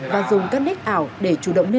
và dùng các nét ảo để chủ động nét ảo